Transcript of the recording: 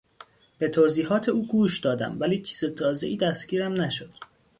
به توضیحات او گوش دادم ولی چیز تازهای دستگیرم نشد.